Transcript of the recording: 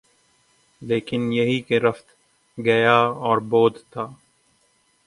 لیکن یہی کہ رفت، گیا اور بود تھا